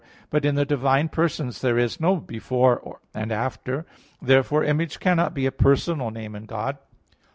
But in the divine persons there is no "before" and "after." Therefore Image cannot be a personal name in God.